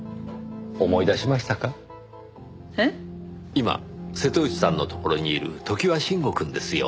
今瀬戸内さんのところにいる常盤臣吾くんですよ。